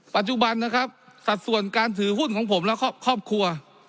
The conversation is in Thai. ปัจจุบันนะครับสัดส่วนการถือหุ้นของผมและครอบครัว